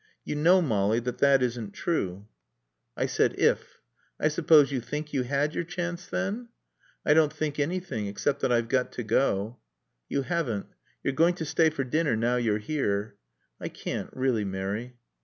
"You know, Molly, that that isn't true." "I said if. I suppose you think you had your chance, then?" "I don't think anything. Except that I've got to go." "You haven't. You're going to stay for dinner now you're here." "I can't, really, Mary."